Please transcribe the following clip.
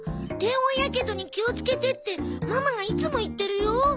低温やけどに気をつけてってママがいつも言ってるよ。